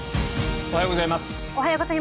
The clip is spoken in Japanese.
おはようございます。